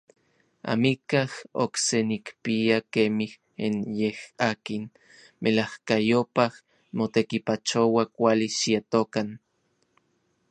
Amikaj okse nikpia kemij n yej akin melajkayopaj motekipachoua kuali xietokan.